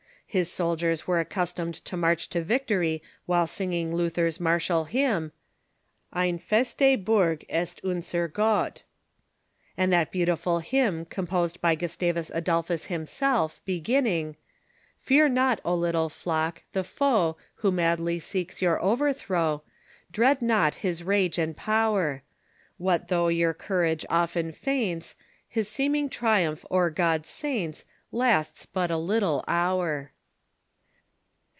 His soldiers were accustomed to march to victory while singing Luther's martial hymn: "Eiii' feste Burg ist unser Gott," and that beautiful hymn, composed by Gustavus Adolphus himself, beginning : "Fear not, O little flock, the foe Who madly seeks j^our overthrow, Dread not his rage and power ; Wliat though your courage often faints, His seeming triumph o'er God's saints Lasts but a Httle hour